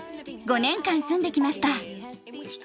５年間住んできました。